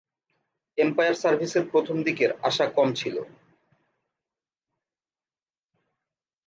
Empire সার্ভিসের প্রথম দিকের আশা ছিল কম।